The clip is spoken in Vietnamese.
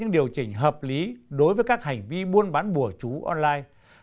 điều chỉnh hợp lý đối với các hành vi buôn bán bùa chú online